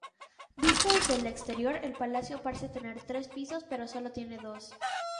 Visto desde el exterior, el palacio parece tener tres pisos, pero sólo tiene dos.